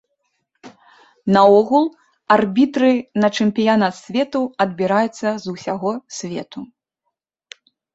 Наогул, арбітры на чэмпіянат свету адбіраюцца з усяго свету.